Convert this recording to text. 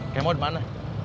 kamu mau dimana